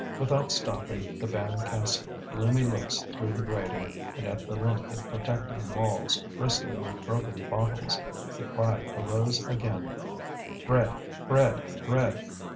Without stopping, the band cast gloomy looks through the grating and at the length of protecting walls, bristling with broken bottles. The cry arose again: "Bread! bread! bread!"